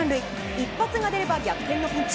一発が出れば逆転のピンチ。